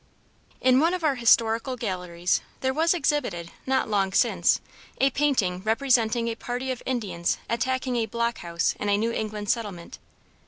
In one of our historical galleries there was exhibited not long since a painting representing a party of Indians attacking a block house in a New England settlement.